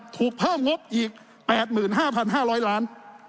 ถูกเพิ่มงบอีก๘๕๕๐๐ล้าน